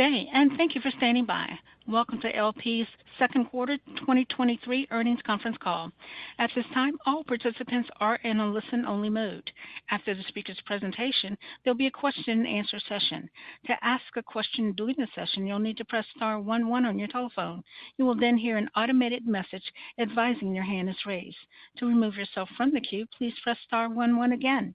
Good day, and thank you for standing by. Welcome to LP's second quarter 2023 earnings conference call. At this time, all participants are in a listen-only mode. After the speaker's presentation, there'll be a question-and-answer session. To ask a question during the session, you'll need to press star 11 on your telephone. You will then hear an automated message advising your hand is raised. To remove yourself from the queue, please press star 11 again.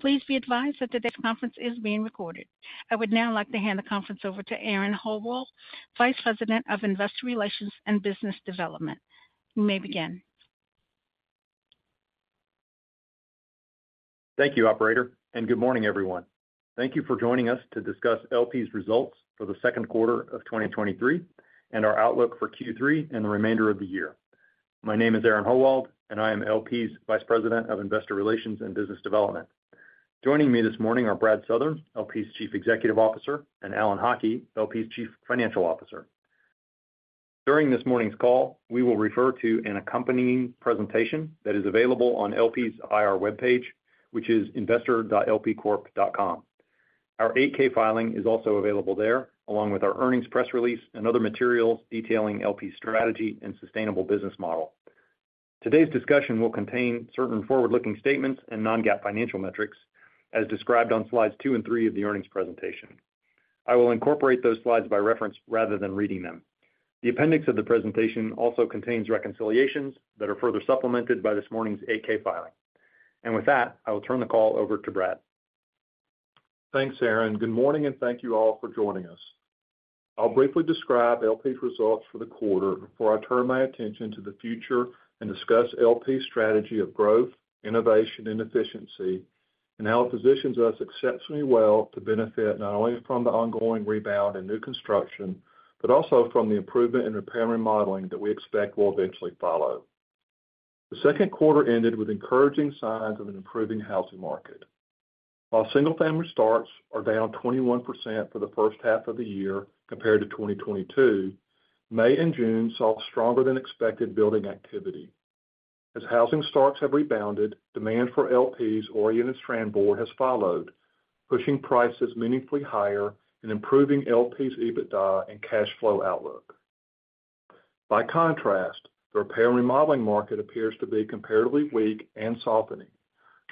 Please be advised that today's conference is being recorded. I would now like to hand the conference over to Aaron Howald, Vice President of Investor Relations and Business Development. You may begin. Thank you, operator, and good morning, everyone. Thank you for joining us to discuss LP's results for the second quarter of 2023, and our outlook for Q3 and the remainder of the year. My name is Aaron Howald, and I am LP's Vice President of Investor Relations and Business Development. Joining me this morning are Brad Southern, LP's Chief Executive Officer, and Alan Haughie, LP's Chief Financial Officer. During this morning's call, we will refer to an accompanying presentation that is available on LP's IR webpage, which is investor.lpcorp.com. Our 8-K filing is also available there, along with our earnings press release and other materials detailing LP's strategy and sustainable business model. Today's discussion will contain certain forward-looking statements and non-GAAP financial metrics, as described on slides two and three of the earnings presentation. I will incorporate those slides by reference rather than reading them. The appendix of the presentation also contains reconciliations that are further supplemented by this morning's 8-K filing. With that, I will turn the call over to Brad. Thanks, Aaron. Good morning, and thank you all for joining us. I'll briefly describe LP's results for the quarter before I turn my attention to the future and discuss LP's strategy of growth, innovation, and efficiency, and how it positions us exceptionally well to benefit not only from the ongoing rebound in new construction, but also from the improvement in repair and remodeling that we expect will eventually follow. The second quarter ended with encouraging signs of an improving housing market. While single-family starts are down 21% for the first half of the year compared to 2022, May and June saw stronger-than-expected building activity. As housing starts have rebounded, demand for LP's Oriented Strand Board has followed, pushing prices meaningfully higher and improving LP's EBITDA and cash flow outlook. By contrast, the repair and remodeling market appears to be comparatively weak and softening,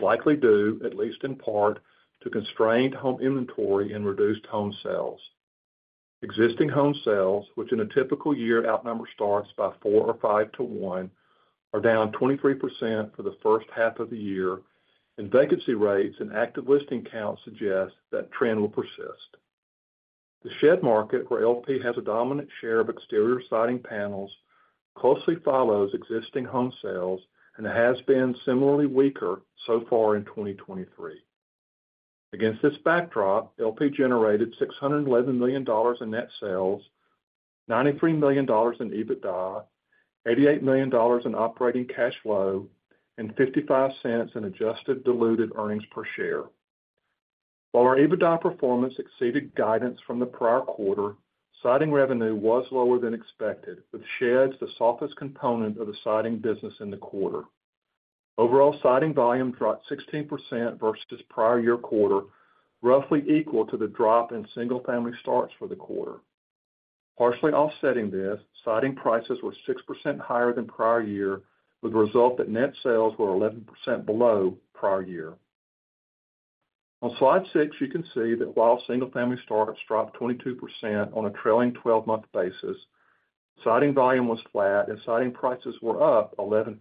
likely due, at least in part, to constrained home inventory and reduced home sales. Existing home sales, which in a typical year outnumber starts by 4 or 5 to 1, are down 23% for the 1st half of the year, and vacancy rates and active listing counts suggest that trend will persist. The shed market, where LP has a dominant share of exterior siding panels, closely follows existing home sales and has been similarly weaker so far in 2023. Against this backdrop, LP generated $611 million in net sales, $93 million in EBITDA, $88 million in operating cash flow, and $0.55 in adjusted diluted earnings per share. While our EBITDA performance exceeded guidance from the prior quarter, siding revenue was lower than expected, with sheds the softest component of the siding business in the quarter. Overall siding volume dropped 16% versus prior year quarter, roughly equal to the drop in single-family starts for the quarter. Partially offsetting this, siding prices were 6% higher than prior year, with the result that net sales were 11% below prior year. On slide 6, you can see that while single-family starts dropped 22% on a trailing 12-month basis, siding volume was flat and siding prices were up 11%.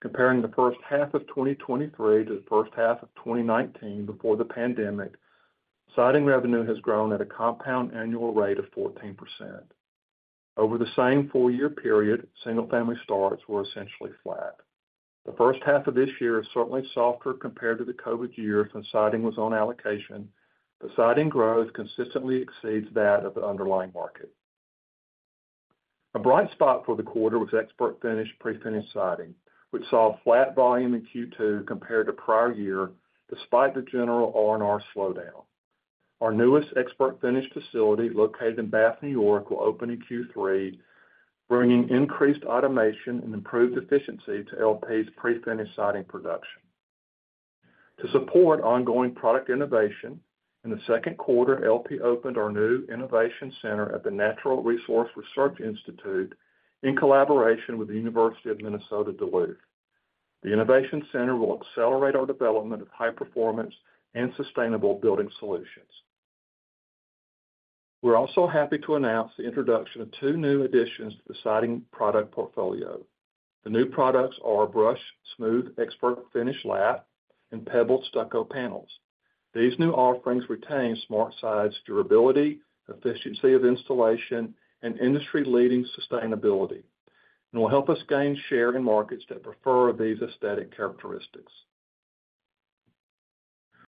Comparing the first half of 2023 to the first half of 2019 before the pandemic, siding revenue has grown at a compound annual rate of 14%. Over the same 4-year period, single-family starts were essentially flat. The first half of this year is certainly softer compared to the COVID year, since siding was on allocation. Siding growth consistently exceeds that of the underlying market. A bright spot for the quarter was ExpertFinish prefinished siding, which saw a flat volume in Q2 compared to prior year, despite the general R&R slowdown. Our newest ExpertFinish facility, located in Bath, New York, will open in Q3, bringing increased automation and improved efficiency to LP's prefinished siding production. To support ongoing product innovation, in the second quarter, LP opened our new innovation center at the Natural Resources Research Institute in collaboration with the University of Minnesota Duluth. The innovation center will accelerate our development of high-performance and sustainable building solutions. We're also happy to announce the introduction of two new additions to the siding product portfolio. The new products are Brushed Smooth, ExpertFinish Lap, and Pebbled Stucco Panels. These new offerings retain LP SmartSide's durability, efficiency of installation, and industry-leading sustainability, and will help us gain share in markets that prefer these aesthetic characteristics.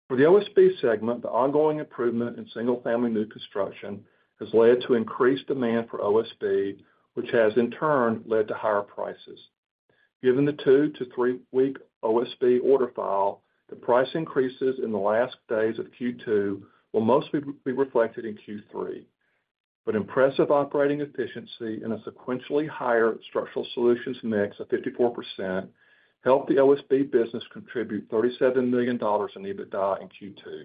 For the OSB segment, the ongoing improvement in single-family new construction has led to increased demand for OSB, which has in turn led to higher prices. Given the 2-3-week OSB order file, the price increases in the last days of Q2 will mostly be reflected in Q3. Impressive operating efficiency and a sequentially higher Structural Solutions mix of 54%, helped the OSB business contribute $37 million in EBITDA in Q2.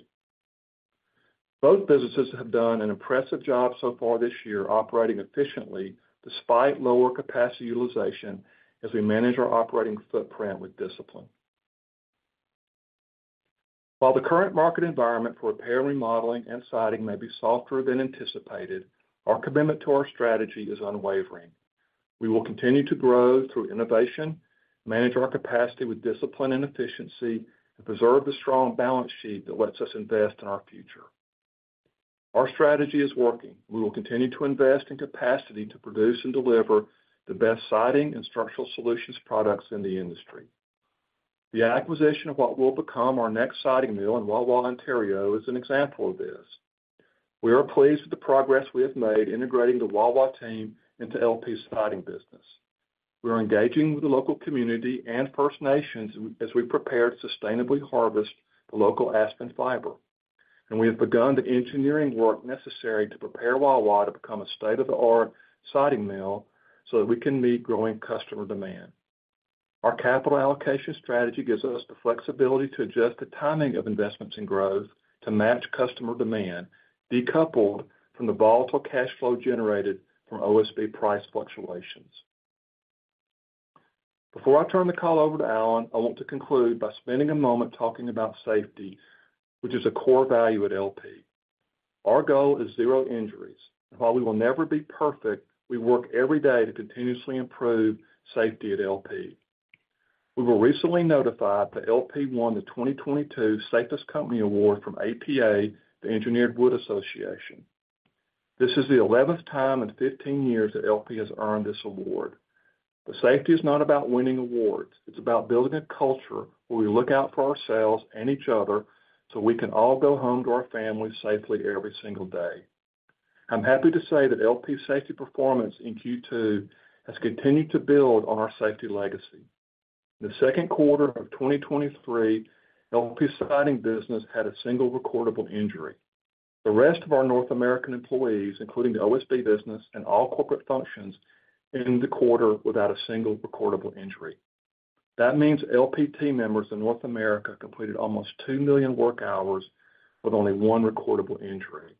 Both businesses have done an impressive job so far this year, operating efficiently despite lower capacity utilization as we manage our operating footprint with discipline. While the current market environment for repair, remodeling, and siding may be softer than anticipated, our commitment to our strategy is unwavering. We will continue to grow through innovation, manage our capacity with discipline and efficiency, and preserve the strong balance sheet that lets us invest in our future. Our strategy is working. We will continue to invest in capacity to produce and deliver the best siding and Structural Solutions products in the industry. The acquisition of what will become our next siding mill in Wawa, Ontario, is an example of this. We are pleased with the progress we have made integrating the Wawa team into LP Siding business. We are engaging with the local community and First Nations as we prepare to sustainably harvest the local Aspen fiber, and we have begun the engineering work necessary to prepare Wawa to become a state-of-the-art siding mill so that we can meet growing customer demand. Our capital allocation strategy gives us the flexibility to adjust the timing of investments in growth to match customer demand, decoupled from the volatile cash flow generated from OSB price fluctuations. Before I turn the call over to Alan, I want to conclude by spending a moment talking about safety, which is a core value at LP. Our goal is zero injuries, and while we will never be perfect, we work every day to continuously improve safety at LP. We were recently notified that LP won the 2022 Safest Company Award from APA, the Engineered Wood Association. This is the 11th time in 15 years that LP has earned this award. Safety is not about winning awards, it's about building a culture where we look out for ourselves and each other, so we can all go home to our families safely every single day. I'm happy to say that LP safety performance in Q2 has continued to build on our safety legacy. In the 2nd quarter of 2023, LP Siding business had a 1 recordable injury. The rest of our North American employees, including the OSB business and all corporate functions, ended the quarter without a 1 recordable injury. That means LP team members in North America completed almost 2 million work hours with only 1 recordable injury.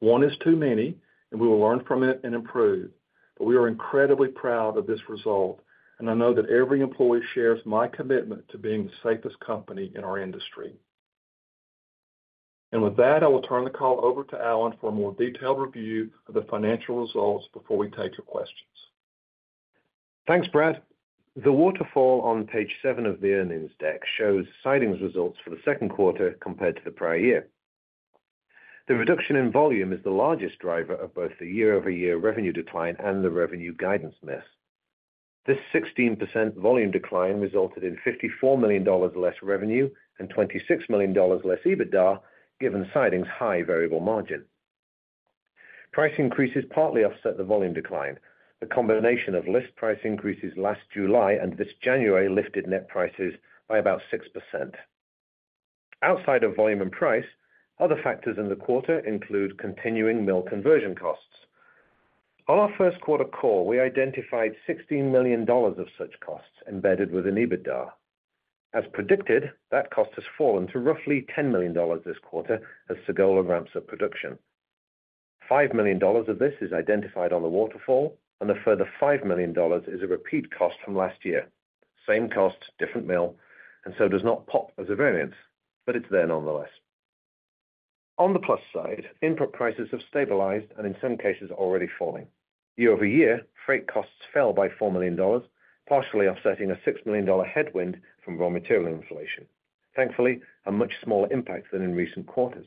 One is too many. We will learn from it and improve, but we are incredibly proud of this result, and I know that every employee shares my commitment to being the safest company in our industry. With that, I will turn the call over to Alan for a more detailed review of the financial results before we take your questions. Thanks, Brad. The waterfall on page 7 of the earnings deck shows sidings results for the second quarter compared to the prior year. The reduction in volume is the largest driver of both the year-over-year revenue decline and the revenue guidance miss. This 16% volume decline resulted in $54 million less revenue and $26 million less EBITDA, given siding's high variable margin. Price increases partly offset the volume decline. The combination of list price increases last July and this January lifted net prices by about 6%. Outside of volume and price, other factors in the quarter include continuing mill conversion costs. On our first quarter call, we identified $16 million of such costs embedded within EBITDA. As predicted, that cost has fallen to roughly $10 million this quarter as Sagola ramps up production. Five million dollars of this is identified on the waterfall, a further $5 million is a repeat cost from last year. Same cost, different mill, so does not pop as a variance, it's there nonetheless. On the plus side, input prices have stabilized in some cases already falling. Year-over-year, freight costs fell by $4 million, partially offsetting a $6 million headwind from raw material inflation. Thankfully, a much smaller impact than in recent quarters.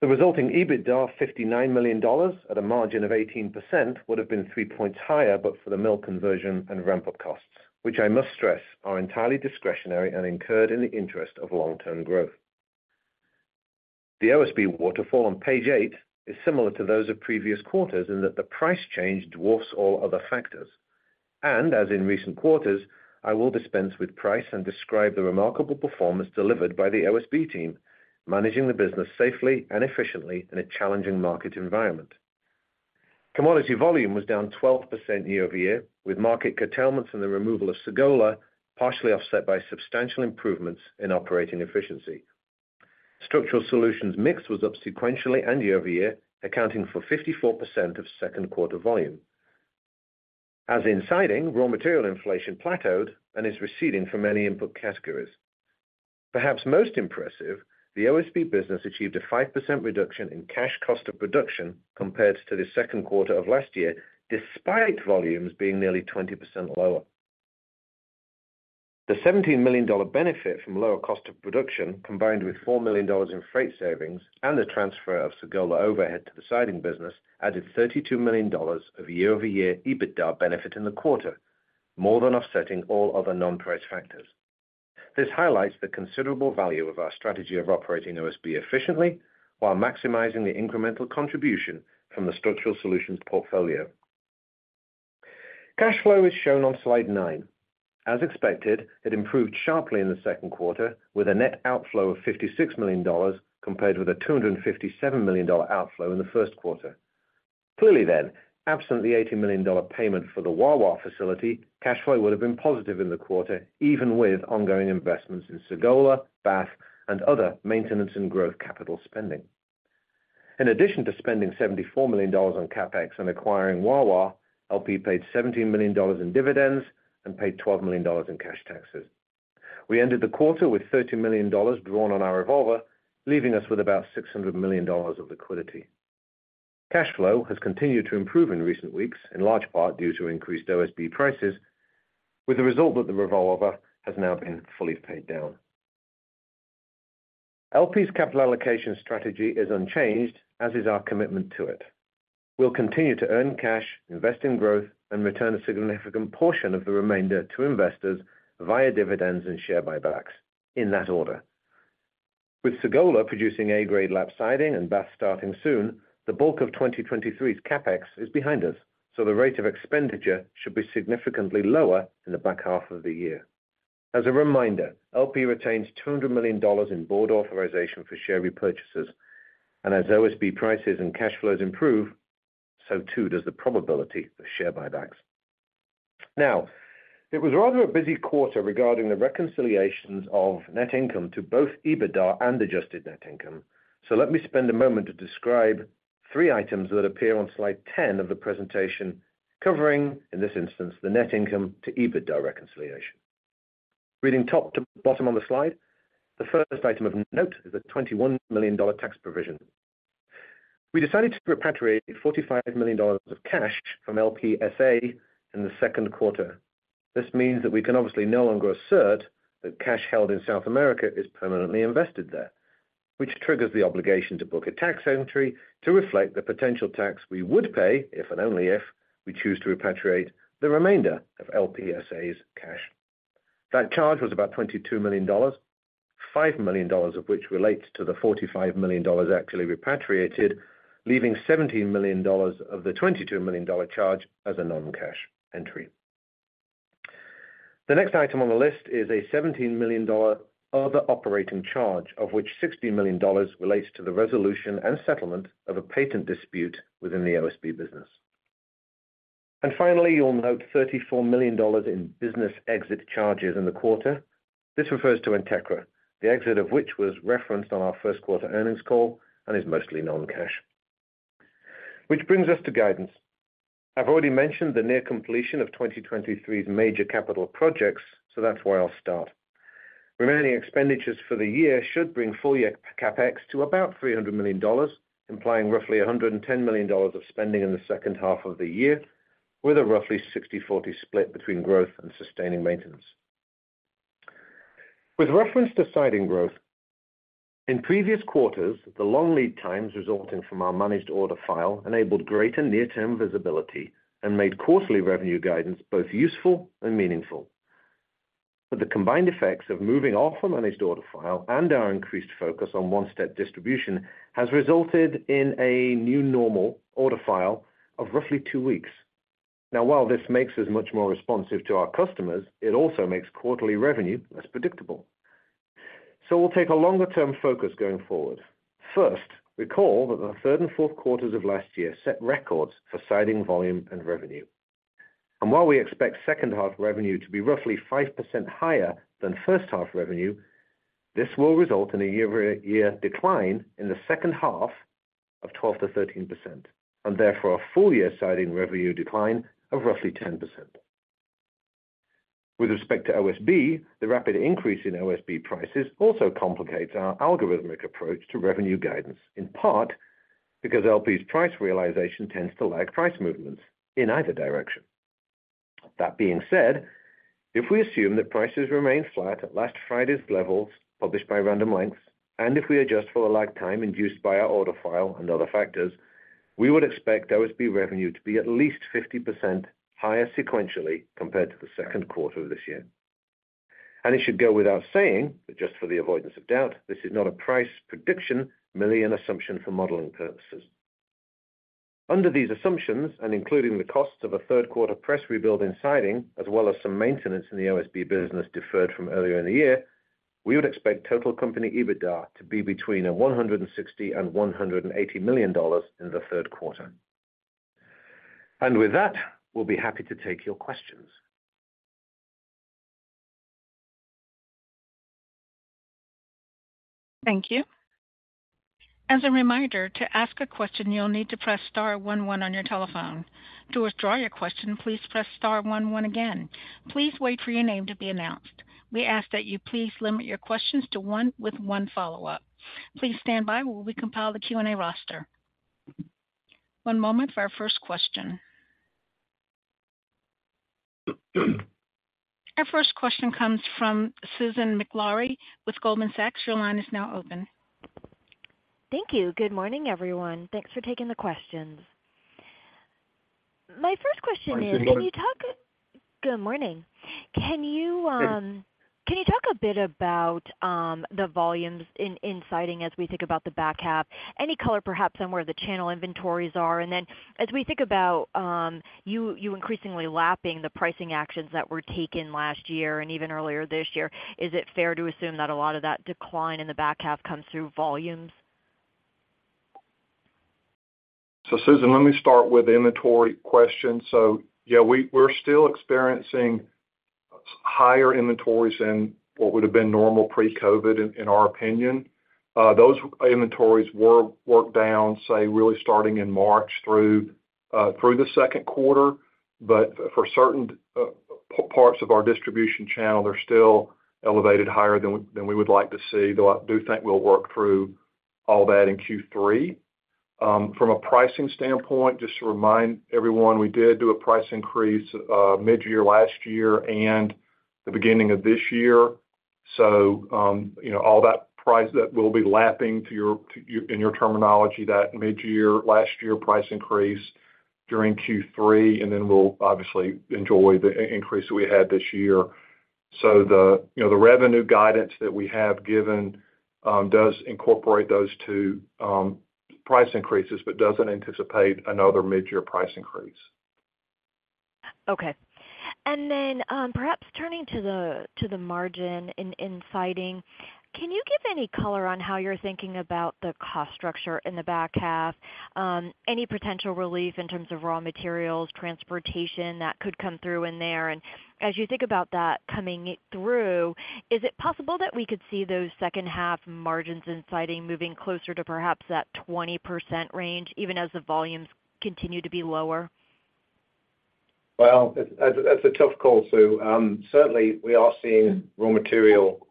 The resulting EBITDA of $59 million at a margin of 18% would have been 3 points higher, for the mill conversion and ramp-up costs, which I must stress, are entirely discretionary and incurred in the interest of long-term growth. The OSB waterfall on page 8 is similar to those of previous quarters, in that the price change dwarfs all other factors. As in recent quarters, I will dispense with price and describe the remarkable performance delivered by the OSB team, managing the business safely and efficiently in a challenging market environment. Commodity volume was down 12% year-over-year, with market curtailments and the removal of Sagola partially offset by substantial improvements in operating efficiency. Structural Solutions mix was up sequentially and year-over-year, accounting for 54% of second quarter volume. As in siding, raw material inflation plateaued and is receding for many input categories. Perhaps most impressive, the OSB business achieved a 5% reduction in cash cost of production compared to the second quarter of last year, despite volumes being nearly 20% lower. The $17 million benefit from lower cost of production, combined with $4 million in freight savings and the transfer of Sagola overhead to the siding business, added $32 million of year-over-year EBITDA benefit in the quarter, more than offsetting all other non-price factors. This highlights the considerable value of our strategy of operating OSB efficiently while maximizing the incremental contribution from the Structural Solutions portfolio. Cash flow is shown on slide 9. As expected, it improved sharply in the second quarter, with a net outflow of $56 million, compared with a $257 million outflow in the first quarter. Clearly then, absent the $80 million payment for the Wawa facility, cash flow would have been positive in the quarter, even with ongoing investments in Sagola, Bath, and other maintenance and growth capital spending. In addition to spending $74 million on CapEx and acquiring Wawa, LP paid $17 million in dividends and paid $12 million in cash taxes. We ended the quarter with $30 million drawn on our revolver, leaving us with about $600 million of liquidity. Cash flow has continued to improve in recent weeks, in large part due to increased OSB prices, with the result that the revolver has now been fully paid down. LP's capital allocation strategy is unchanged, as is our commitment to it. We'll continue to earn cash, invest in growth, and return a significant portion of the remainder to investors via dividends and share buybacks in that order. With Sagola producing A-grade lap siding and Bath starting soon, the bulk of 2023's CapEx is behind us, the rate of expenditure should be significantly lower in the back half of the year. As a reminder, LP retains $200 million in board authorization for share repurchases, and as OSB prices and cash flows improve, so too does the probability of share buybacks. Now, it was rather a busy quarter regarding the reconciliations of net income to both EBITDA and adjusted net income. Let me spend a moment to describe three items that appear on slide 10 of the presentation, covering, in this instance, the net income to EBITDA reconciliation. Reading top to bottom on the slide, the first item of note is a $21 million tax provision. We decided to repatriate $45 million of cash from LPSA in the second quarter. This means that we can obviously no longer assert that cash held in South America is permanently invested there, which triggers the obligation to book a tax entry to reflect the potential tax we would pay, if and only if, we choose to repatriate the remainder of LPSA's cash. That charge was about $22 million, $5 million of which relates to the $45 million actually repatriated, leaving $17 million of the $22 million charge as a non-cash entry. The next item on the list is a $17 million other operating charge, of which $16 million relates to the resolution and settlement of a patent dispute within the OSB business. Finally, you'll note $34 million in business exit charges in the quarter. This refers to Entekra, the exit of which was referenced on our first quarter earnings call and is mostly non-cash. Brings us to guidance. I've already mentioned the near completion of 2023's major capital projects, that's where I'll start. Remaining expenditures for the year should bring full year CapEx to about $300 million, implying roughly $110 million of spending in the second half of the year, with a roughly 60/40 split between growth and sustaining maintenance. With reference to siding growth, in previous quarters, the long lead times resulting from our managed order file enabled greater near-term visibility and made quarterly revenue guidance both useful and meaningful. The combined effects of moving off from managed order file and our increased focus on one-step distribution has resulted in a new normal order file of roughly two weeks. While this makes us much more responsive to our customers, it also makes quarterly revenue less predictable. We'll take a longer-term focus going forward. First, recall that the third and fourth quarters of last year set records for siding volume and revenue. While we expect second half revenue to be roughly 5% higher than first half revenue, this will result in a year-over-year decline in the second half of 12%-13%, and therefore a full-year siding revenue decline of roughly 10%. With respect to OSB, the rapid increase in OSB prices also complicates our algorithmic approach to revenue guidance, in part because LP's price realization tends to lag price movements in either direction. That being said, if we assume that prices remain flat at last Friday's levels, published by Random Lengths, and if we adjust for the lag time induced by our order file and other factors, we would expect OSB revenue to be at least 50% higher sequentially compared to the second quarter of this year. It should go without saying, but just for the avoidance of doubt, this is not a price prediction, merely an assumption for modeling purposes. Under these assumptions, and including the cost of a third-quarter press rebuild in siding, as well as some maintenance in the OSB business deferred from earlier in the year, we would expect total company EBITDA to be between $160 million and $180 million in the third quarter. With that, we'll be happy to take your questions. Thank you. As a reminder, to ask a question, you'll need to press star one one on your telephone. To withdraw your question, please press star one one again. Please wait for your name to be announced. We ask that you please limit your questions to one with one follow-up. Please stand by while we compile the Q&A roster. One moment for our first question. Our first question comes from Susan Maklari with Goldman Sachs. Your line is now open. Thank you. Good morning, everyone. Thanks for taking the questions. My first question is, Good morning. ...Good morning, Can you talk a bit about the volumes in, in Siding as we think about the back half? Any color perhaps on where the channel inventories are, and then as we think about you, you increasingly lapping the pricing actions that were taken last year and even earlier this year, is it fair to assume that a lot of that decline in the back half comes through volumes? Susan, let me start with the inventory question. Yeah, we're still experiencing higher inventories than what would have been normal pre-COVID, in our opinion. Those inventories were worked down, say, really starting in March through the second quarter, for certain parts of our distribution channel, they're still elevated higher than we, than we would like to see, though I do think we'll work through all that in Q3. From a pricing standpoint, just to remind everyone, we did do a price increase mid-year last year and the beginning of this year. You know, all that price that we'll be lapping in your terminology, that mid-year last year price increase during Q3, and then we'll obviously enjoy the increase that we had this year. The, you know, the revenue guidance that we have given, does incorporate those 2, price increases, but doesn't anticipate another mid-year price increase. Okay. Perhaps turning to the margin in Siding, can you give any color on how you're thinking about the cost structure in the back half? Any potential relief in terms of raw materials, transportation that could come through in there? As you think about that coming through, is it possible that we could see those second half margins in Siding moving closer to perhaps that 20% range, even as the volumes continue to be lower? Well, that's, that's a tough call, Sue. Certainly, we are seeing raw material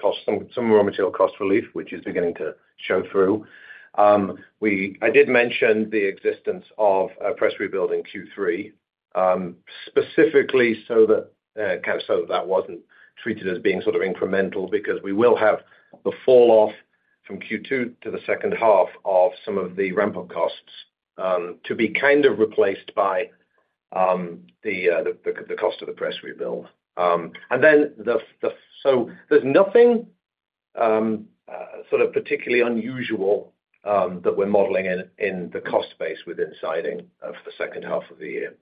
costs, some, some raw material cost relief, which is beginning to show through. I did mention the existence of a press rebuild in Q3, specifically so that kind of so that wasn't treated as being sort of incremental because we will have the falloff from Q2 to the second half of some of the ramp-up costs, to be kind of replaced by the cost of the press rebuild. There's nothing sort of particularly unusual that we're modeling in, in the cost base within Siding for the second half of the year.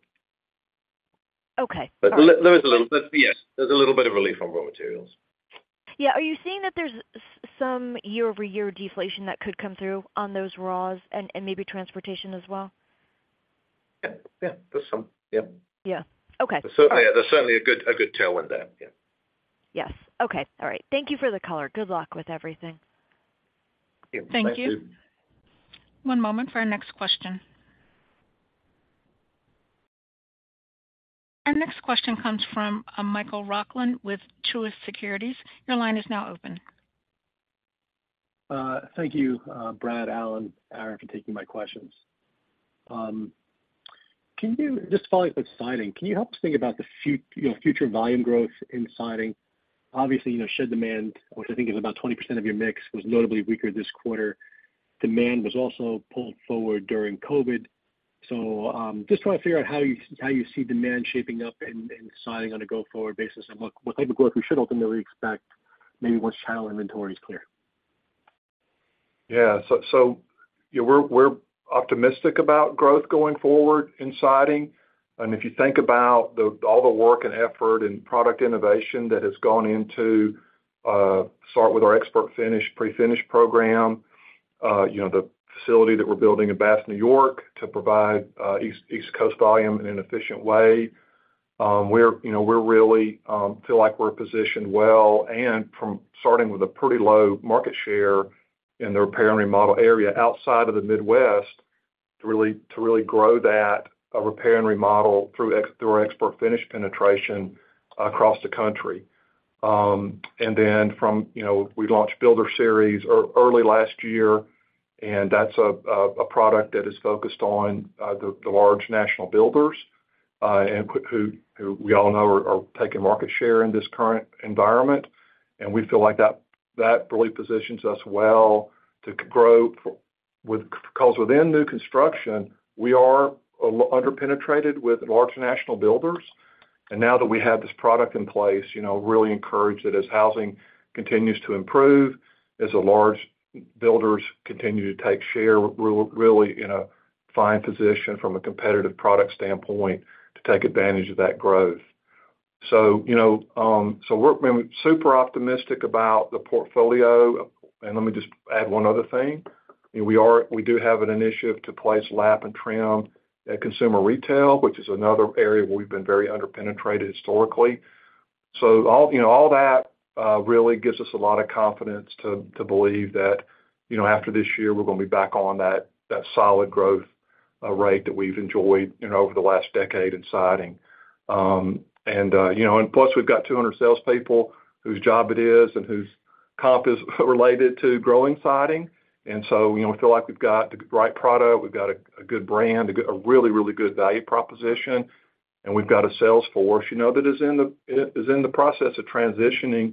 Okay. There is a little, but yes, there's a little bit of relief on raw materials. Yeah. Are you seeing that there's some year-over-year deflation that could come through on those raws and maybe transportation as well? Yeah, yeah, there's some. Yeah. Yeah. Okay. Certainly, there's certainly a good, a good tailwind there. Yeah. Yes. Okay. All right. Thank you for the color. Good luck with everything. Thank you. Thank you. One moment for our next question. Our next question comes from Michael Roxland with Truist Securities. Your line is now open. Thank you, Brad, Alan, Aaron, for taking my questions. Can you just follow up with Siding, can you help us think about the you know, future volume growth in Siding? Obviously, you know, shed demand, which I think is about 20% of your mix, was notably weaker this quarter. Demand was also pulled forward during COVID. Just trying to figure out how you, how you see demand shaping up in Siding on a go-forward basis and what, what type of growth we should ultimately expect maybe once channel inventory is clear. Yeah. So, yeah, we're, we're optimistic about growth going forward in Siding. If you think about the, all the work and effort and product innovation that has gone into, start with our ExpertFinish, pre-finish program, you know, the facility that we're building in Bath, New York, to provide East Coast volume in an efficient way, we're, you know, we're really, feel like we're positioned well. From starting with a pretty low market share in the repair and remodel area outside of the Midwest, to really, to really grow that, repair and remodel through through our ExpertFinish penetration across the country. Then from, you know, we launched Builder Series early last year, and that's a product that is focused on the, the large national builders, and who, who we all know are, are taking market share in this current environment. We feel like that, that really positions us well to grow because within new construction, we are underpenetrated with large national builders. Now that we have this product in place, you know, really encouraged that as housing continues to improve, as the large builders continue to take share, we're really in a fine position from a competitive product standpoint to take advantage of that growth. You know, so we're super optimistic about the portfolio. Let me just add one other thing: We do have an initiative to place lap and trim at consumer retail, which is another area where we've been very underpenetrated historically. All, you know, all that really gives us a lot of confidence to, to believe that, you know, after this year, we're gonna be back on that, that solid growth rate that we've enjoyed, you know, over the last decade in Siding. You know, and plus, we've got 200 salespeople whose job it is and whose comp is related to growing Siding. So, you know, we feel like we've got the right product, we've got a good brand, a really, really good value proposition, and we've got a sales force, you know, that is in the process of transitioning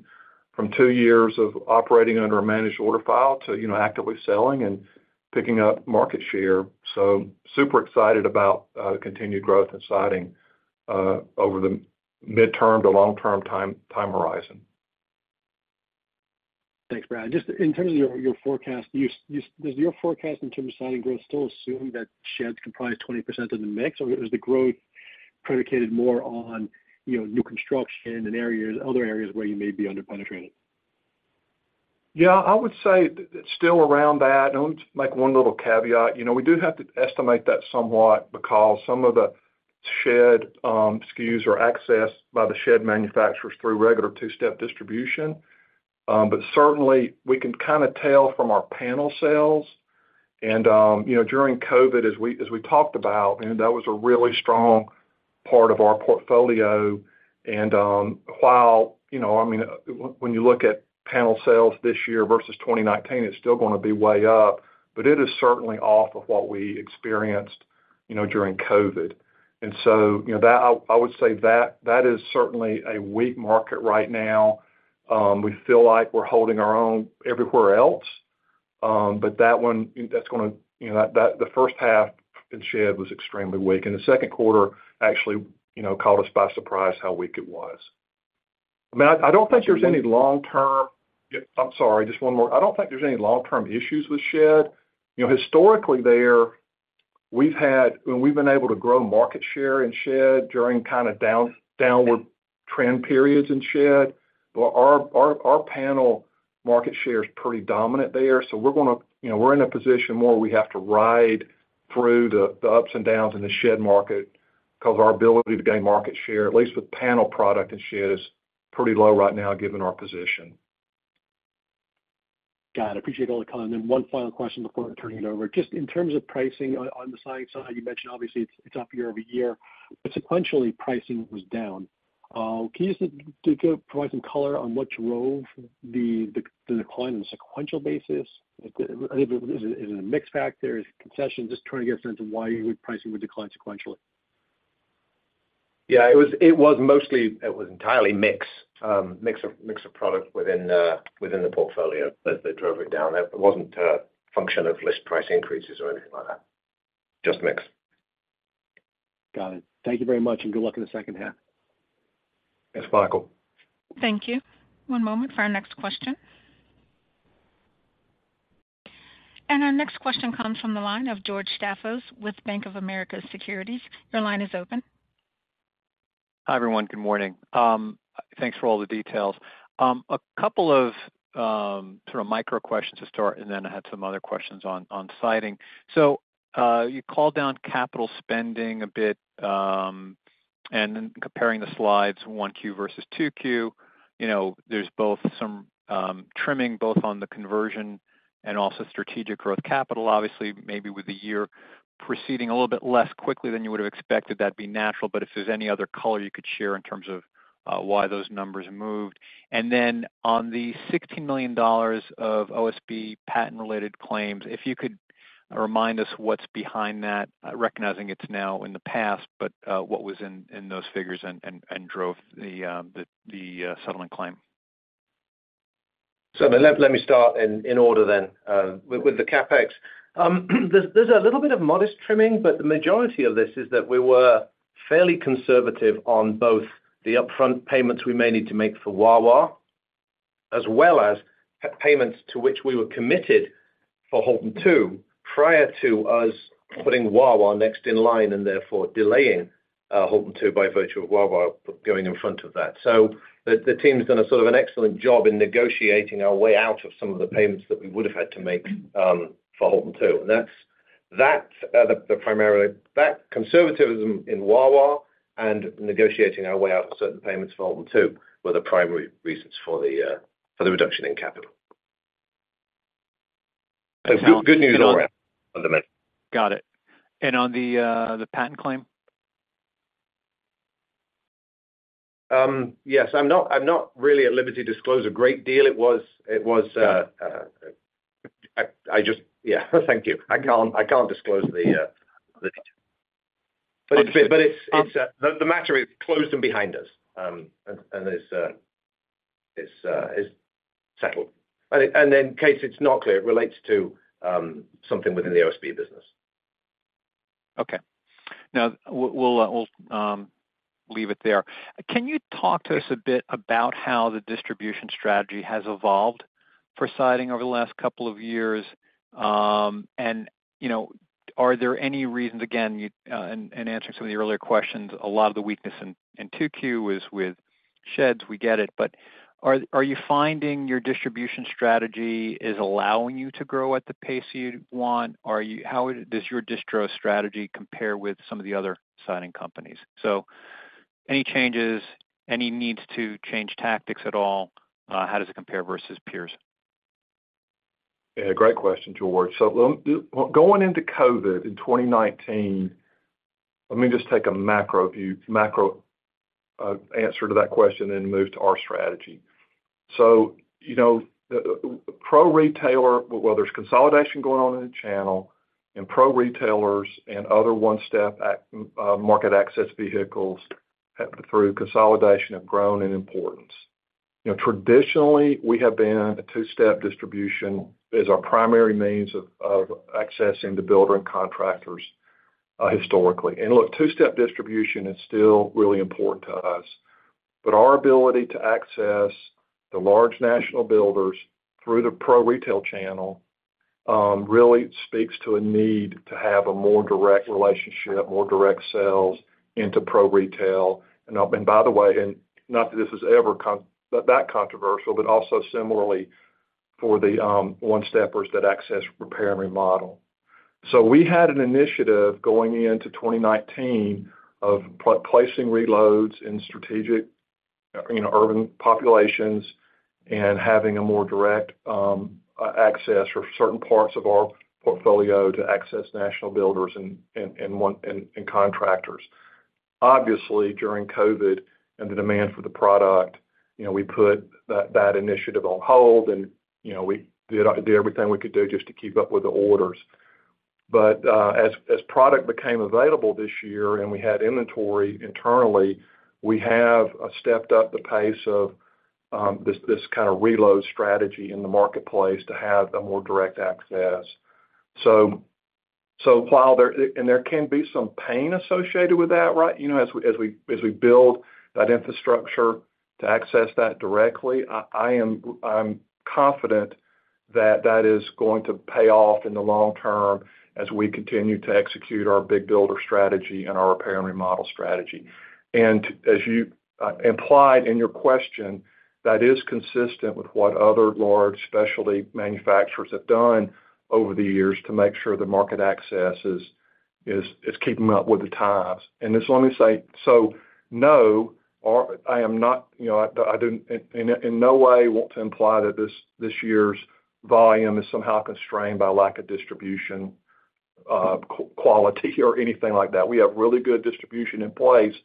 from 2 years of operating under a managed order file to, you know, actively selling, picking up market share. Super excited about continued growth in siding over the midterm to long-term time, time horizon. Thanks, Brad. Just in terms of your, your forecast, does your forecast in terms of siding growth still assume that sheds comprise 20% of the mix, or is the growth predicated more on, you know, new construction in areas, other areas where you may be underpenetrated? Yeah, I would say it's still around that. Like one little caveat, you know, we do have to estimate that somewhat because some of the shed SKUs are accessed by the shed manufacturers through regular two-step distribution. Certainly, we can kind of tell from our panel sales. You know, during COVID, as we, as we talked about, you know, that was a really strong part of our portfolio. While, you know, I mean, when you look at panel sales this year versus 2019, it's still gonna be way up, but it is certainly off of what we experienced, you know, during COVID. You know, I would say that, that is certainly a weak market right now. We feel like we're holding our own everywhere else. that one, that's gonna, you know, that, that the first half in shed was extremely weak, and the second quarter actually, you know, caught us by surprise how weak it was. I mean, I, I don't think there's any long-term. I'm sorry, just one more. I don't think there's any long-term issues with shed. You know, historically there, we've had when we've been able to grow market share in shed during kind of downward trend periods in shed. our, our, our panel market share is pretty dominant there, so we're gonna, you know, we're in a position where we have to ride through the, the ups and downs in the shed market because our ability to gain market share, at least with panel product and shed, is pretty low right now given our position. Got it. I appreciate all the comment. One final question before I turn it over. Just in terms of pricing on, on the siding side, you mentioned obviously it's, it's up year-over-year, but sequentially, pricing was down. Can you just provide some color on what drove the decline on a sequential basis? Is it, is it a mix factor? Is it concession? Just trying to get a sense of why pricing would decline sequentially. Yeah, it was, it was entirely mix, mix of, mix of product within the, within the portfolio that, that drove it down. It wasn't a function of list price increases or anything like that. Just mix. Got it. Thank you very much, and good luck in the second half. Thanks, Michael. Thank you. One moment for our next question. Our next question comes from the line of George Staphos with Bank of America Securities. Your line is open. Hi, everyone. Good morning. Thanks for all the details. A couple of sort of micro questions to start, and then I had some other questions on, on siding. You called down capital spending a bit, and then comparing the slides 1Q versus 2Q, you know, there's both some trimming, both on the conversion and also strategic growth capital. Obviously, maybe with the year proceeding a little bit less quickly than you would have expected, that'd be natural. If there's any other color you could share in terms of why those numbers moved. On the $16 million of OSB patent-related claims, if you could remind us what's behind that, recognizing it's now in the past, what was in, in those figures and, and, and drove the settlement claim? Let, let me start in, in order then. With, with the CapEx, there's, there's a little bit of modest trimming, but the majority of this is that we were fairly conservative on both the upfront payments we may need to make for Wawa, as well as payments to which we were committed for Houlton two, prior to us putting Wawa next in line, and therefore delaying Houlton two by virtue of Wawa going in front of that. The, the team's done a sort of an excellent job in negotiating our way out of some of the payments that we would have had to make for Houlton two. That's, that, the, the primary-- that conservatism in Wawa and negotiating our way out for certain payments for Houlton two, were the primary reasons for the for the reduction in capital. Good news all around, fundamentally. Got it. On the, the patent claim? Yes, I'm not, I'm not really at liberty to disclose a great deal. It was, it was. I, I just. Yeah, thank you. I can't, I can't disclose the. It's, but it's, it's the matter is closed and behind us, and, and it's, it's, it's settled. In case it's not clear, it relates to something within the OSB business. Okay. Now, we'll, we'll, we'll leave it there. Can you talk to us a bit about how the distribution strategy has evolved for siding over the last couple of years? You know, are there any reasons, again, you-- in, in answering some of the earlier questions, a lot of the weakness in, in 2Q was with sheds, we get it. Are, are you finding your distribution strategy is allowing you to grow at the pace you'd want? Are you-- How does your distro strategy compare with some of the other siding companies? Any changes, any needs to change tactics at all? How does it compare versus peers? Yeah, great question, George. Well, going into COVID in 2019, let me just take a macro view, macro answer to that question and move to our strategy. You know, pro retailer, well, there's consolidation going on in the channel, and pro retailers and other one-step market access vehicles through consolidation have grown in importance. You know, traditionally, we have been a two-step distribution as our primary means of, of accessing the builder and contractors historically. Look, two-step distribution is still really important to us, but our ability to access the large national builders through the pro retail channel really speaks to a need to have a more direct relationship, more direct sales into pro retail. By the way, and not that this is ever that controversial, but also similarly for the one-steppers that access repair and remodel. We had an initiative going into 2019 of placing reloads in strategic, you know, urban populations and having a more direct access for certain parts of our portfolio to access national builders and contractors. Obviously, during COVID and the demand for the product, you know, we put that, that initiative on hold, and, you know, we did, did everything we could do just to keep up with the orders. As product became available this year and we had inventory internally, we have stepped up the pace of this kind of reload strategy in the marketplace to have a more direct access. While there can be some pain associated with that, right? You know, as we build that infrastructure to access that directly, I, I am, I'm confident that that is going to pay off in the long term as we continue to execute our big builder strategy and our repair and remodel strategy. As you implied in your question, that is consistent with what other large specialty manufacturers have done over the years to make sure the market access is keeping up with the times. Just let me say, I am not, you know, I, I didn't, in no way want to imply that this year's volume is somehow constrained by lack of distribution quality or anything like that. We have really good distribution in place,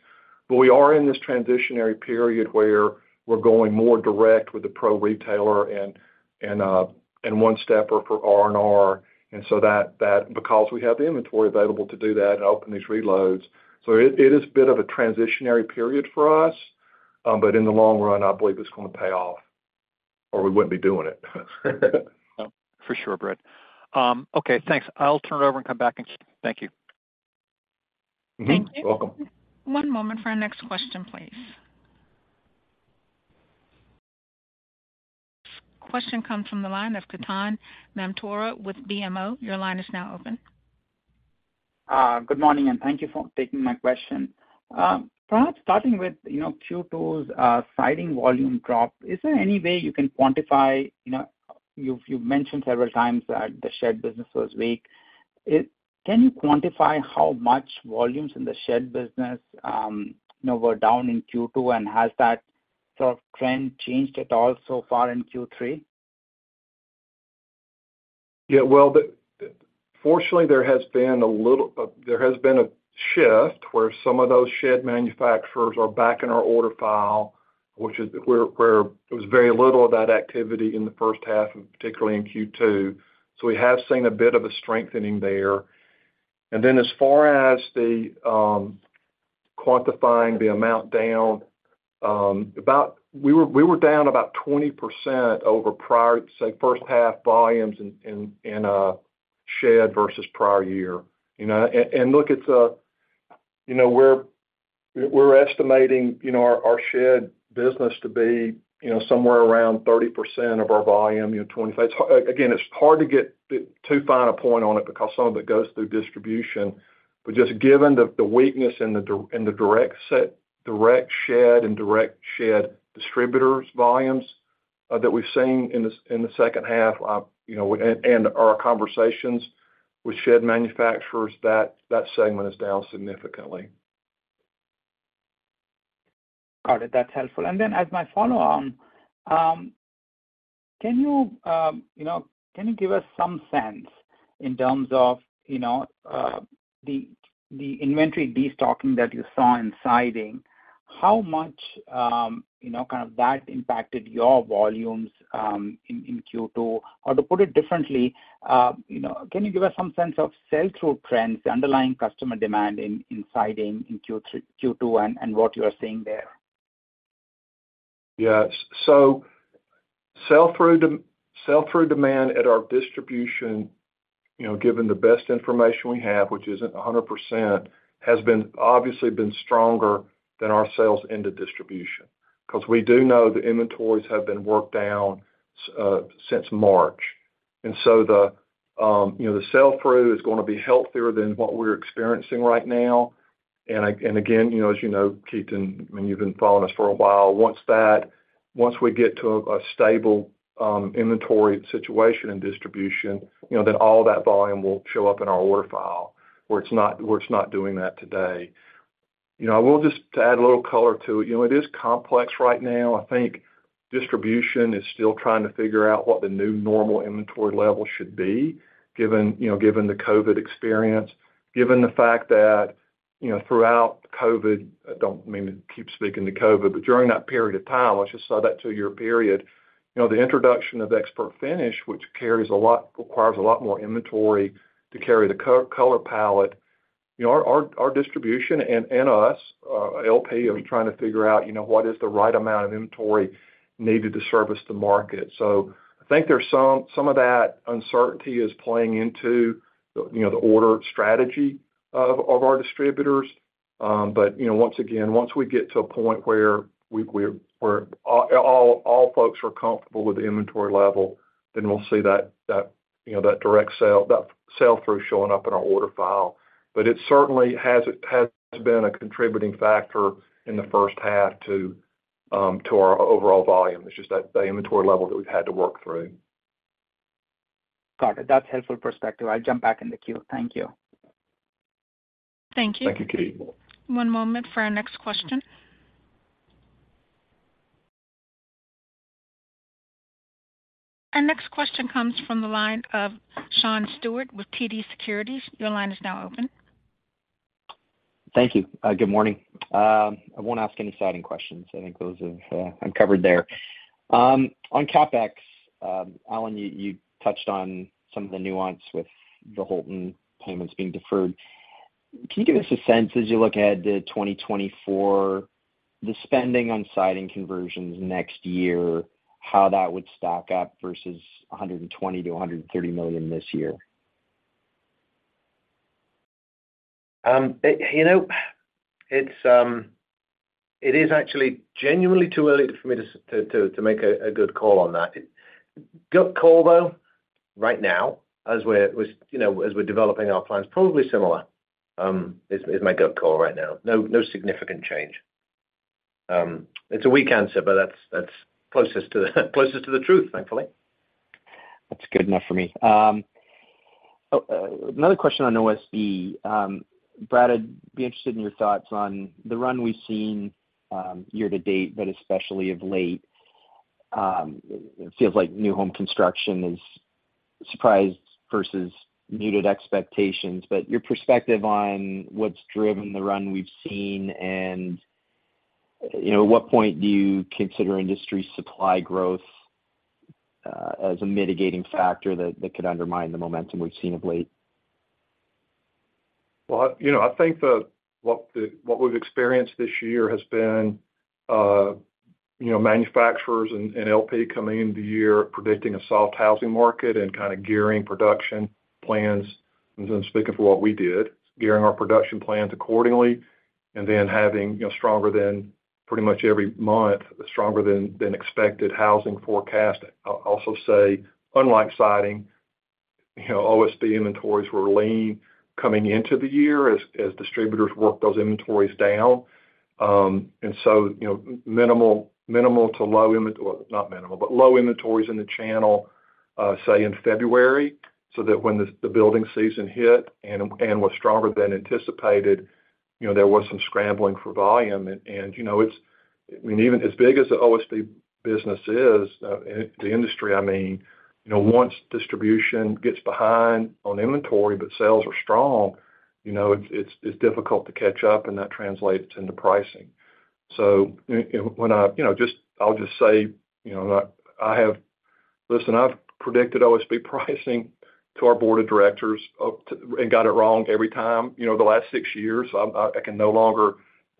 but we are in this transitionary period where we're going more direct with the pro retailer and, and one stepper for R&R. That because we have the inventory available to do that and open these reloads. It is a bit of a transitionary period for us, but in the long run, I believe it's gonna pay off, or we wouldn't be doing it. For sure, Brad. Okay, thanks. I'll turn it over and come back and thank you. Mm-hmm, welcome. Thank you. One moment for our next question, please. Question comes from the line of Ketan Mamtora with BMO. Your line is now open. Good morning, and thank you for taking my question. Perhaps starting with, you know, Q2's siding volume drop, is there any way you can quantify, you know, you've, you've mentioned several times that the shed business was weak. Can you quantify how much volumes in the shed business, you know, were down in Q2, and has that sort of trend changed at all so far in Q3? Yeah, well, fortunately, there has been a little, there has been a shift where some of those shed manufacturers are back in our order file, which is where, where there was very little of that activity in the first half, and particularly in Q2. We have seen a bit of a strengthening there. Then as far as the quantifying the amount down, we were, we were down about 20% over prior, say, first half volumes in, in, in, shed versus prior year, you know? Look, it's, you know, we're, we're estimating, you know, our, our shed business to be, you know, somewhere around 30% of our volume, you know, 25... Again, it's hard to get too fine a point on it because some of it goes through distribution. Just given the weakness in the direct set, direct shed and direct shed distributors volumes that we've seen in the second half, you know, and our conversations with shed manufacturers, that segment is down significantly. Got it, that's helpful. Then as my follow-on, can you, you know, can you give us some sense in terms of, you know, the, the inventory destocking that you saw in siding, how much, you know, kind of that impacted your volumes, in, in Q2? To put it differently, you know, can you give us some sense of sell-through trends, the underlying customer demand in, in siding in Q3, Q2, and, and what you are seeing there? Yes. Sell-through sell-through demand at our distribution, you know, given the best information we have, which isn't 100%, has been, obviously been stronger than our sales into distribution. We do know the inventories have been worked down since March. The, you know, the sell-through is gonna be healthier than what we're experiencing right now. Again, you know, as you know, Ketan, I mean, you've been following us for a while, once once we get to a, a stable inventory situation in distribution, you know, then all that volume will show up in our order file, where it's not, where it's not doing that today. You know, I will just add a little color to it. You know, it is complex right now. I think distribution is still trying to figure out what the new normal inventory level should be, given, you know, given the COVID experience, given the fact that, you know, throughout COVID, I don't mean to keep speaking to COVID, but during that period of time, let's just say that 2-year period, you know, the introduction of ExpertFinish, which requires a lot more inventory to carry the color palette. Our distribution and us, LP, are trying to figure out, you know, what is the right amount of inventory needed to service the market. I think there's some of that uncertainty is playing into the, you know, the order strategy of our distributors. You know, once again, once we get to a point where we're, where all folks are comfortable with the inventory level, then we'll see that, you know, that direct sale, that sell-through showing up in our order file. It certainly has, it has been a contributing factor in the first half to, to our overall volume. It's just that, the inventory level that we've had to work through. Got it. That's helpful perspective. I'll jump back in the queue. Thank you. Thank you. Thank you, Ketan. One moment for our next question. Our next question comes from the line of Sean Steuart with TD Securities. Your line is now open. Thank you. Good morning. I won't ask any siding questions. I think those have uncovered there. On CapEx, Alan, you touched on some of the nuance with the Houlton payments being deferred. Can you give us a sense as you look ahead to 2024, the spending on siding conversions next year, how that would stack up versus $120 million-$130 million this year? It, you know, it is actually genuinely too early for me to make a good call on that. Gut call, though, right now, as we're, you know, as we're developing our plans, probably similar, is my gut call right now. No, no significant change. It's a weak answer, but that's closest to the truth, thankfully. That's good enough for me. Another question on OSB. Brad, I'd be interested in your thoughts on the run we've seen, year to date, but especially of late. It feels like new home construction is surprised versus muted expectations. Your perspective on what's driven the run we've seen, and, you know, at what point do you consider industry supply growth as a mitigating factor that, that could undermine the momentum we've seen of late? Well, you know, I think what we've experienced this year has been, you know, manufacturers and LP coming into the year predicting a soft housing market and kind of gearing production plans. Then speaking for what we did, gearing our production plans accordingly, and then having, you know, stronger than pretty much every month, stronger than expected housing forecast. I also say, unlike siding, you know, OSB inventories were lean coming into the year as distributors worked those inventories down. So, you know, well, not minimal, but low inventories in the channel, say, in February, so that when the building season hit and was stronger than anticipated, you know, there was some scrambling for volume. You know, it's. I mean, even as big as the OSB business is, the industry, I mean, you know, once distribution gets behind on inventory, but sales are strong, you know, it's, it's, it's difficult to catch up, and that translates into pricing. You know, I'll just say, you know, I, I have. Listen, I've predicted OSB pricing to our board of directors and got it wrong every time, you know, the last 6 years. I'm, I can no longer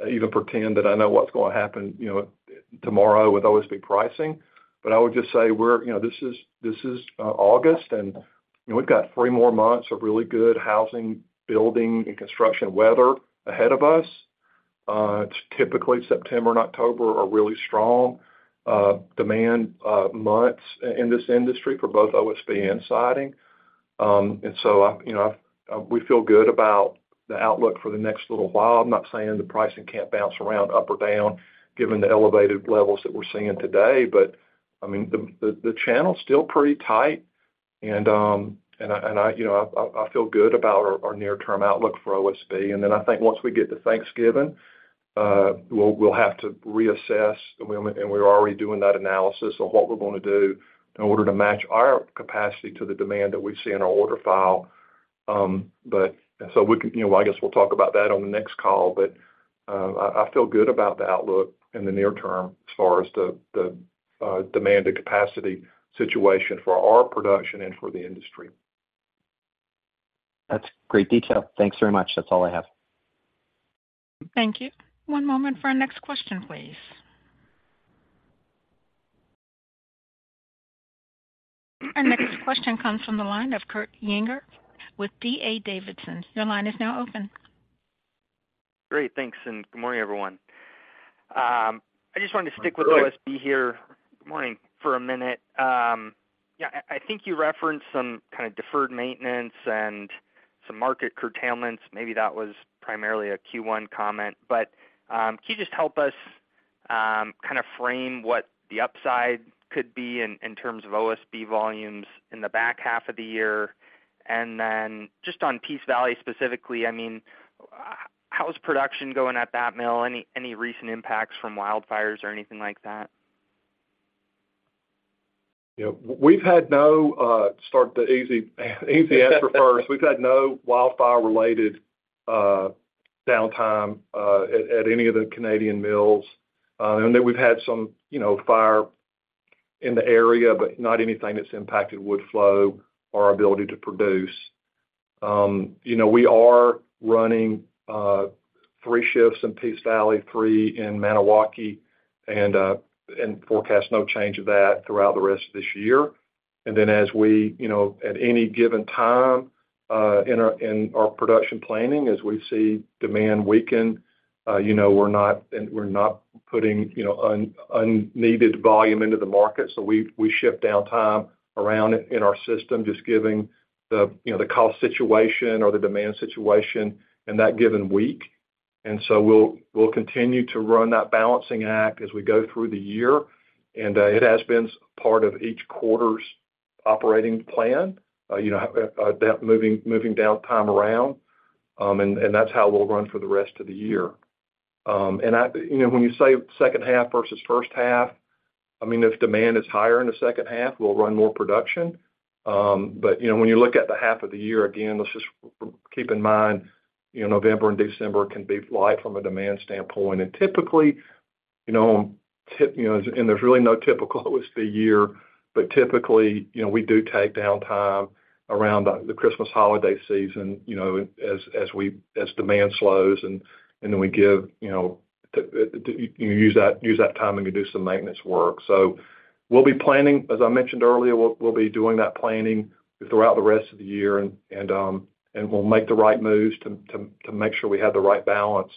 even pretend that I know what's going to happen, you know, tomorrow with OSB pricing. I would just say, we're, you know, this is, this is August, and, you know, we've got 3 more months of really good housing, building, and construction weather ahead of us. It's typically September and October are really strong demand months in this industry for both OSB and siding. So I, you know, I, we feel good about the outlook for the next little while. I'm not saying the pricing can't bounce around, up or down, given the elevated levels that we're seeing today. I mean, the, the, the channel's still pretty tight, and I, and I, you know, I, I feel good about our, our near-term outlook for OSB. Then I think once we get to Thanksgiving, we'll, we'll have to reassess, and we, and we're already doing that analysis of what we're gonna do in order to match our capacity to the demand that we see in our order file. We can, you know, I guess we'll talk about that on the next call, but, I, I feel good about the outlook in the near term as far as the, the, demand and capacity situation for our production and for the industry. That's great detail. Thanks very much. That's all I have. Thank you. One moment for our next question, please. Our next question comes from the line of Kurt Yinger with D.A. Davidson. Your line is now open. Great. Thanks. Good morning, everyone. I just wanted to stick with OSB here. Good morning. Good morning. -for a minute. Yeah, I, I think you referenced some kind of deferred maintenance and some market curtailments. Maybe that was primarily a Q1 comment, can you just help us kind of frame what the upside could be in, in terms of OSB volumes in the back half of the year? Just on Peace Valley specifically, I mean, how is production going at that mill? Any, any recent impacts from wildfires or anything like that? Yeah. We've had no, start the easy, easy answer first. We've had no wildfire-related downtime at any of the Canadian mills. Then we've had some, you know, in the area, but not anything that's impacted wood flow or our ability to produce. You know, we are running three shifts in Peace Valley, three in Maniwaki, and forecast no change of that throughout the rest of this year. Then as we, you know, at any given time, in our, in our production planning, as we see demand weaken, you know, we're not, and we're not putting, you know, unneeded volume into the market. We, we ship downtime around in our system, just giving the, you know, the cost situation or the demand situation in that given week. We'll, we'll continue to run that balancing act as we go through the year, and it has been part of each quarter's operating plan, you know, that moving, moving downtime around. That's how it will run for the rest of the year. You know, when you say second half versus first half, I mean, if demand is higher in the second half, we'll run more production. You know, when you look at the half of the year, again, let's just keep in mind, you know, November and December can be light from a demand standpoint. Typically, you know, there's really no typical with the year, but typically, you know, we do take downtime around the, the Christmas holiday season, you know, as, as we-- as demand slows, and then we give, you know, you use that, use that time and we do some maintenance work. We'll be planning. As I mentioned earlier, we'll, we'll be doing that planning throughout the rest of the year, and we'll make the right moves to, to, to make sure we have the right balance,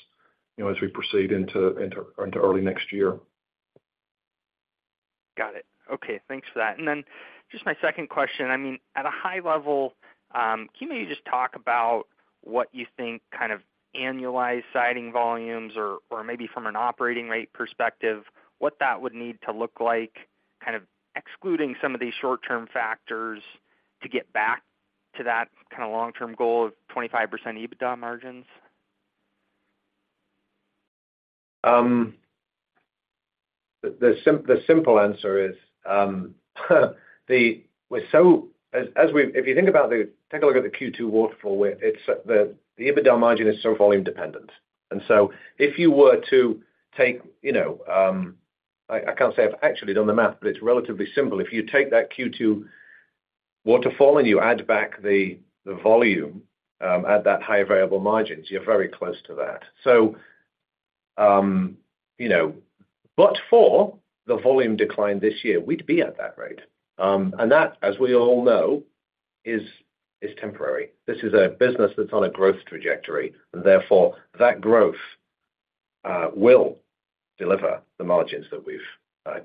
you know, as we proceed into, into, into early next year. Got it. Okay, thanks for that. Just my second question. I mean, at a high level, can you just talk about what you think kind of annualized siding volumes or, or maybe from an operating rate perspective, what that would need to look like, kind of excluding some of these short-term factors, to get back to that kind of long-term goal of 25% EBITDA margins? The simple answer is, if you think about the take a look at the Q2 waterfall, where it's the EBITDA margin is so volume dependent. If you were to take, you know, I can't say I've actually done the math, but it's relatively simple. If you take that Q2 waterfall and you add back the volume, at that higher variable margins, you're very close to that. You know, but for the volume decline this year, we'd be at that rate. That, as we all know, is temporary. This is a business that's on a growth trajectory, therefore, that growth will deliver the margins that we've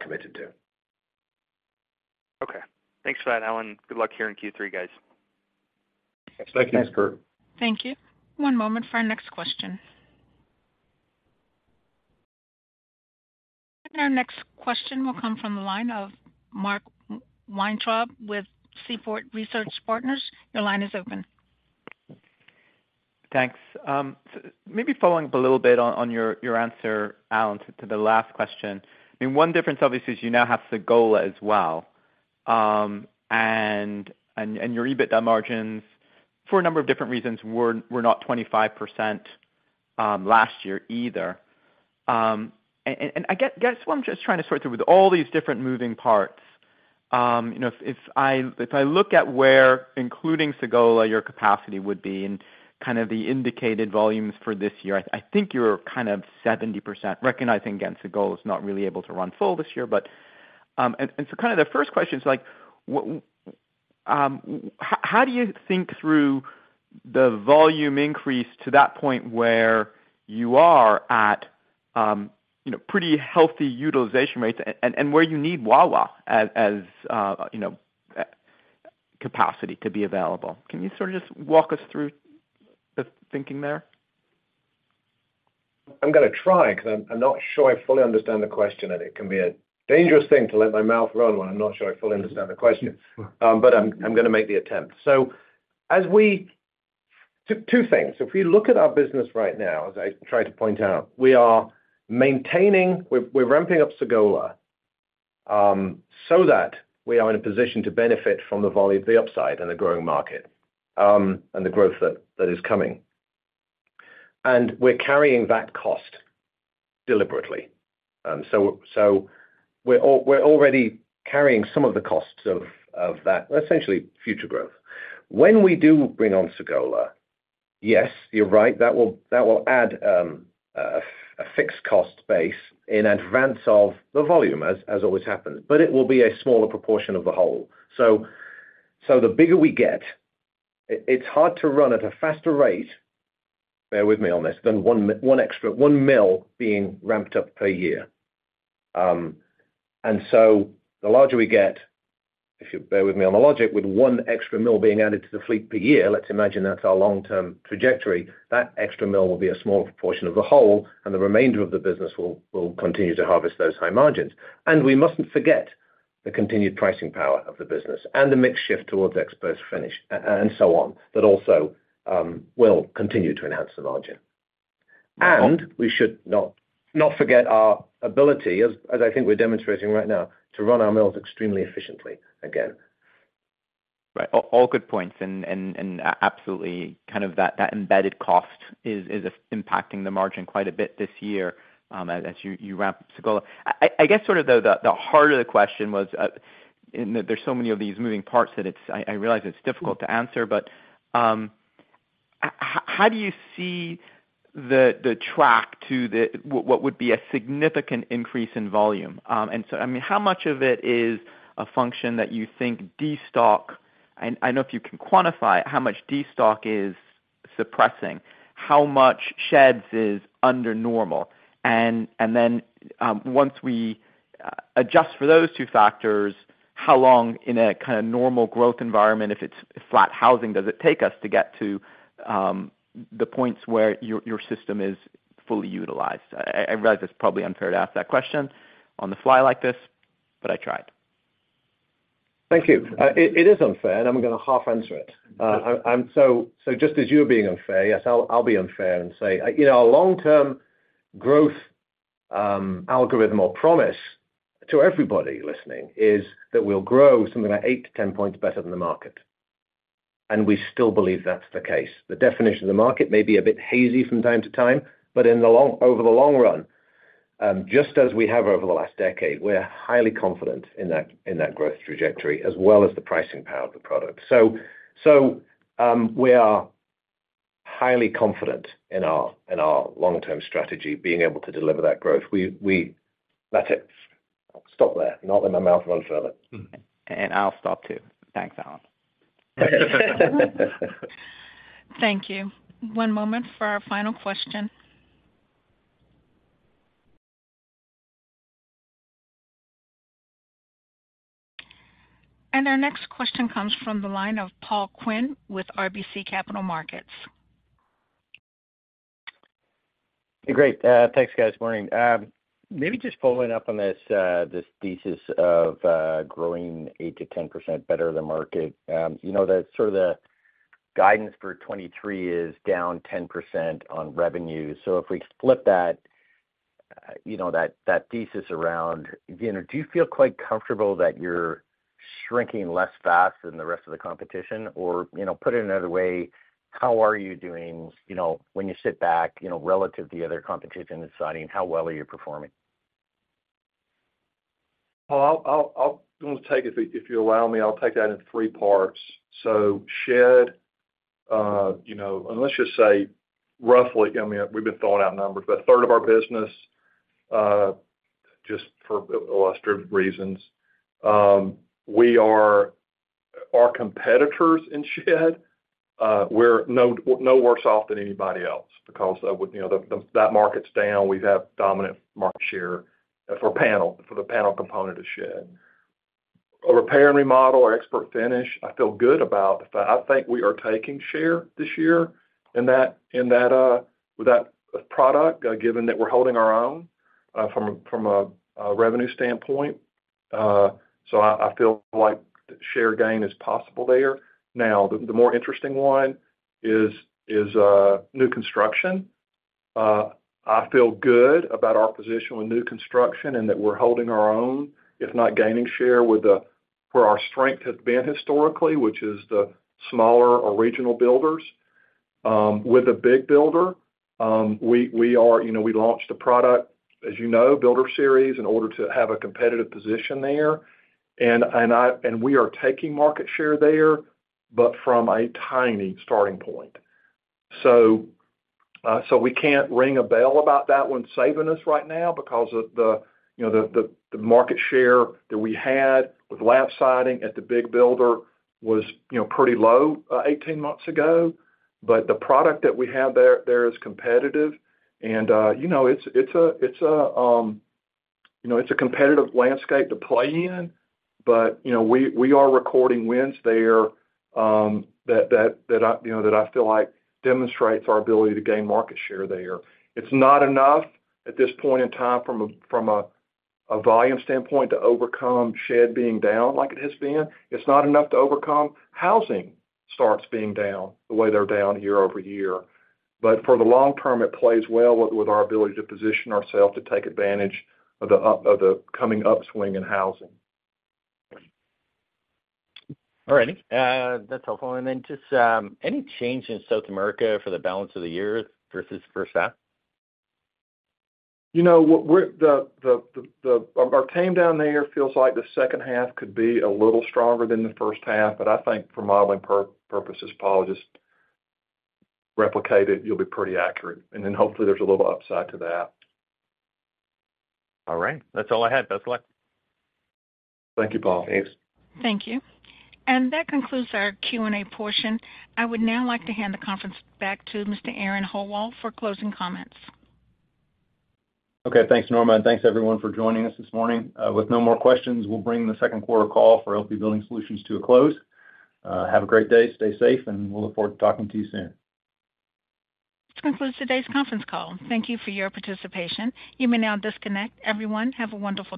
committed to. Okay. Thanks for that, Alan. Good luck here in Q3, guys. Thank you, Kurt. Thank you. One moment for our next question. Our next question will come from the line of Mark Weintraub, with Seaport Research Partners. Your line is open. Thanks. Maybe following up a little bit on your answer, Alan, to the last question. I mean, one difference obviously, is you now have Sagola as well. Your EBITDA margins, for a number of different reasons, were not 25%, last year either. I guess what I'm just trying to sort through, with all these different moving parts, you know, if I look at where, including Sagola, your capacity would be and kind of the indicated volumes for this year, you're kind of 70%, recognizing, again, Sagola is not really able to run full this year. So kind of the first question is like, w- h- how do you think through the volume increase to that point where you are at, you know, pretty healthy utilization rates and, and where you need Wawa as, as, you know, capacity to be available? Can you sort of just walk us through the thinking there? I'm gonna try, because I'm, I'm not sure I fully understand the question, and it can be a dangerous thing to let my mouth run when I'm not sure I fully understand the question. I'm, I'm gonna make the attempt. As we... Two things. If we look at our business right now, as I tried to point out, we are maintaining, we're, we're ramping up Sagola, so that we are in a position to benefit from the volume, the upside, and the growing market, and the growth that, that is coming. We're carrying that cost deliberately. We're already carrying some of the costs of, of that, essentially, future growth. When we do bring on Sagola, yes, you're right, that will, that will add, a fixed cost base in advance of the volume, as, as always happens, but it will be a smaller proportion of the whole. So the bigger we get, it, it's hard to run at a faster rate, bear with me on this, than one extra, one mill being ramped up per year. The larger we get, if you bear with me on the logic, with one extra mill being added to the fleet per year, let's imagine that's our long-term trajectory, that extra mill will be a smaller proportion of the whole, and the remainder of the business will, will continue to harvest those high margins. We mustn't forget the continued pricing power of the business and the mix shift towards exposed finish, and so on, that also will continue to enhance the margin. We should not, not forget our ability, as, as I think we're demonstrating right now, to run our mills extremely efficiently again. Right. All, all good points, and, and, and absolutely, kind of that, that embedded cost is, is impacting the margin quite a bit this year, as, as you, you wrap Sagola. I, I guess sort of though, the, the heart of the question was, and there's so many of these moving parts that I, I realize it's difficult to answer, but, how, how do you see the, the track to the, what, what would be a significant increase in volume? So, I mean, how much of it is a function that you think destock? I know if you can quantify how much destock is suppressing, how much sheds is under normal, and then once we adjust for those two factors, how long in a kind of normal growth environment, if it's flat housing, does it take us to get to the points where your, your system is fully utilized? I, I realize it's probably unfair to ask that question on the fly like this. I tried. Thank you. It, it is unfair, and I'm gonna half-answer it. I, I'm so, so just as you're being unfair, yes, I'll, I'll be unfair and say, you know, our long-term growth algorithm or promise to everybody listening, is that we'll grow something like 8-10 points better than the market, we still believe that's the case. The definition of the market may be a bit hazy from time to time, but over the long run, just as we have over the last decade, we're highly confident in that, in that growth trajectory, as well as the pricing power of the product. We are highly confident in our, in our long-term strategy, being able to deliver that growth. Let it stop there, not let my mouth run further. I'll stop, too. Thanks, Alan. Thank you. One moment for our final question. Our next question comes from the line of Paul Quinn, with RBC Capital Markets. Great. Thanks, guys. Morning. Maybe just following up on this thesis of growing 8%-10% better than market. You know, that sort of the guidance for 2023 is down 10% on revenue. If we flip that, you know, that, that thesis around, you know, do you feel quite comfortable that you're shrinking less fast than the rest of the competition? You know, put it another way, how are you doing, you know, when you sit back, you know, relative to the other competition and deciding, how well are you performing? Well, I'll, I'll, I'll take it. If you, if you allow me, I'll take that in three parts. Shed, you know, and let's just say roughly, I mean, we've been throwing out numbers. A third of our business, just for illustrative reasons, we are our competitors in shed, we're no, no worse off than anybody else because, with, you know, the, that market's down, we have dominant market share for panel, for the panel component of shed. Our repair and remodel, our ExpertFinish, I feel good about. I think we are taking share this year in that, in that, with that product, given that we're holding our own, from, from a, a revenue standpoint. I, I feel like share gain is possible there. Now, the, the more interesting one is, is new construction. I feel good about our position with new construction and that we're holding our own, if not gaining share, with the... where our strength has been historically, which is the smaller or regional builders. With the big builder, we, we are, you know, we launched a product, as you know, Builder Series, in order to have a competitive position there. We are taking market share there, but from a tiny starting point. We can't ring a bell about that one saving us right now because of the, you know, the, the, the market share that we had with lap siding at the big builder was, you know, pretty low, 18 months ago. The product that we have there, there is competitive and, you know, it's, it's a, it's a, you know, it's a competitive landscape to play in, but, you know, we, we are recording wins there, that, you know, that I feel like demonstrates our ability to gain market share there. It's not enough at this point in time, from a volume standpoint, to overcome shed being down like it has been. It's not enough to overcome housing starts being down the way they're down year over year. For the long term, it plays well with, with our ability to position ourselves to take advantage of the coming upswing in housing. All righty. That's helpful. Then just, any change in South America for the balance of the year versus first half? You know, Our team down there feels like the second half could be a little stronger than the first half, I think for modeling purposes, Paul, just replicate it, you'll be pretty accurate. Then hopefully there's a little upside to that. All right. That's all I had. Best luck. Thank you, Paul. Thanks. Thank you. That concludes our Q&A portion. I would now like to hand the conference back to Mr. Aaron Howald for closing comments. Okay, thanks, Norma, and thanks everyone for joining us this morning. With no more questions, we'll bring the second quarter call for LP Building Solutions to a close. Have a great day, stay safe, and we'll look forward to talking to you soon. This concludes today's conference call. Thank you for your participation. You may now disconnect. Everyone, have a wonderful day.